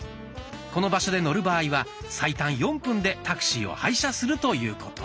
この場所で乗る場合は最短４分でタクシーを配車するということ。